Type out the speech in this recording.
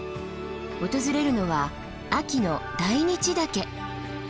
訪れるのは秋の大日岳。